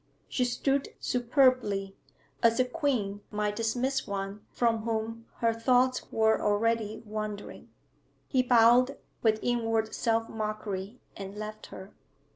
She stood superbly, as a queen might dismiss one from whom her thoughts were already wandering. He bowed, with inward self mockery, and left her.